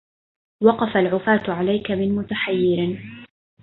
وقف العفاة عليك من متحير